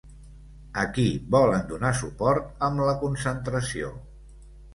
A qui volen donar suport amb la concentració?